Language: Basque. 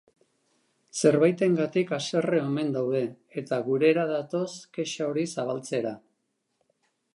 Zerbaitengatik haserre omen daude eta gurera datoz kexa hori zabaltzera!